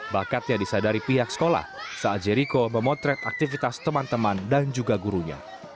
bakatnya disadari pihak sekolah saat jeriko memotret aktivitas teman teman dan juga gurunya